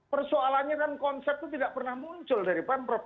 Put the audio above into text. persoalannya dan konsep itu tidak pernah muncul dari pempre